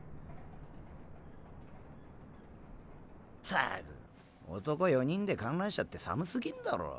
たく男４人で観覧車って寒すぎんだろ。